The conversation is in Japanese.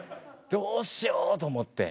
どうしようと思って。